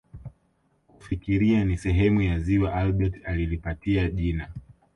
Kufikiria ni sehemu ya ziwa Albert alilipatia jina